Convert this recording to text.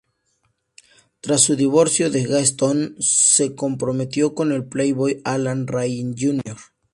Tras su divorcio de Gaston, se comprometió con el playboy Alan Ryan Jr.